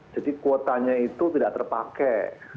jadi kuotanya itu tidak terpakai